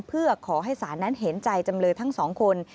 เพื่อขอให้ศาลนั้นเห็นใจจำเลยทั้งสองคน